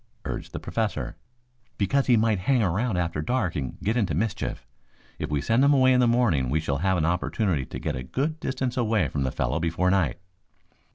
urged the Professor. "Because he might hang around after dark and get into mischief. If we send him away in the morning we shall have an opportunity to get a good distance away from the fellow before night."